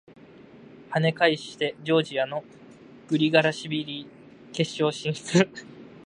跳ね返してジョージアのグリガラシビリ決勝進出！